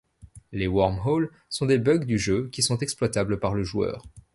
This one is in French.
Les Wormholes sont des bugs du jeu, qui sont exploitables par le joueur.